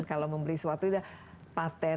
kalau membeli sesuatu paten